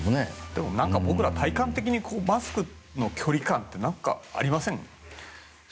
でも僕ら、体感的にマスクの距離感って何かありません？